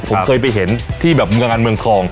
ผมเคยไปเห็นที่เมืองอันเมืองคลอง